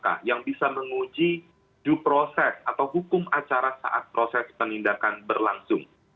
kpk yang bisa menguji due process atau hukum acara saat proses penindakan berlangsung